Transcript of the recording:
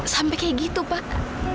sampai kayak gitu pak